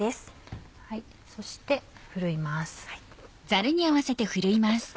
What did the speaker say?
そしてふるいます。